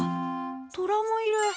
トラもいる。